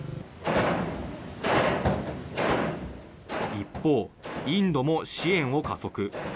一方、インドも支援を加速。